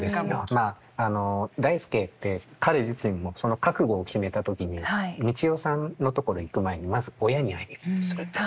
まああの代助って彼自身も覚悟を決めた時に三千代さんのところ行く前にまず親に会いに行こうとするんですよ。